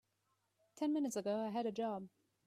Ten minutes ago I had a job.